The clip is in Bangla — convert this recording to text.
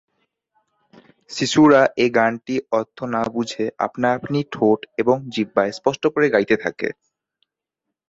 শিশুরা এ গানটি অর্থ না বুঝে আপনা আপনি ঠোঁট এবং জিহ্বায় স্পষ্ট করে গাইতে থাকে।!